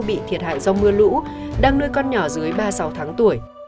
bị thiệt hại do mưa lũ đang nuôi con nhỏ dưới ba mươi sáu tháng tuổi